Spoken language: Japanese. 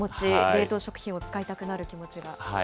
冷凍食品を使いたくなる気持ちが。